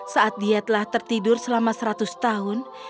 saat dia telah tertidur selama seratus tahun